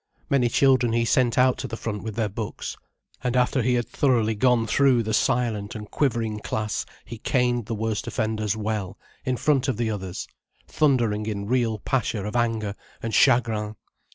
Many children he sent out to the front with their books. And after he had thoroughly gone through the silent and quivering class he caned the worst offenders well, in front of the others, thundering in real passion of anger and chagrin.